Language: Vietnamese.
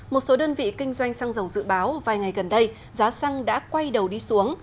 một số đơn vị kinh doanh xăng dầu dự báo vài ngày gần đây giá xăng đã quay đầu đi xuống